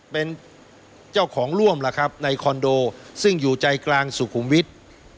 เป็นเจ้าของร่วมล่ะครับในคอนโดซึ่งอยู่ใจกลางสุขุมวิทย์